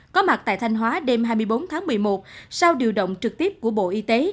có mặt tại thanh hóa đêm hai mươi bốn tháng một mươi một sau điều động trực tiếp của bộ y tế